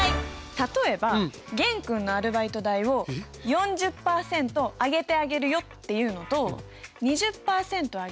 例えば玄君のアルバイト代を４０％上げてあげるよっていうのと２０％上げてさらに